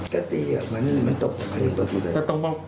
ก็ตีครับมันตกมันยังตกไม่ได้